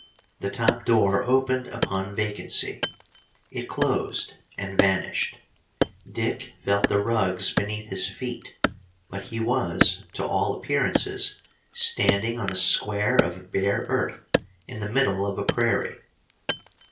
The top door opened upon vacancy; it closed, and vanished. Dick felt the rugs beneath his feet, but he was to all appearances standing on a square of bare earth in the middle of a prairie.